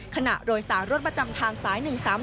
ขณะโดยสารรถประจำทางสาย๑๓๔